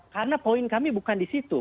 karena poin kami bukan di situ